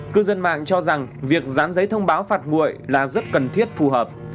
cư dân mạng cho rằng việc dán giấy thông báo phạt nguội là rất cần thiết phù hợp